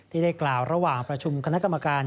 ได้กล่าวระหว่างประชุมคณะกรรมการ